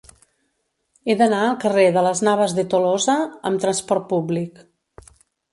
He d'anar al carrer de Las Navas de Tolosa amb trasport públic.